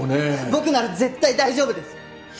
僕なら絶対大丈夫です！